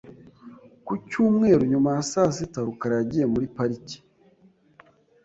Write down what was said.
Ku cyumweru nyuma ya saa sita, rukara yagiye muri parike .